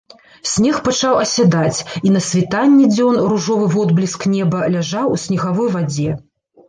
Снег пачаў асядаць, і на світанні дзён ружовы водбліск неба ляжаў у снегавой вадзе.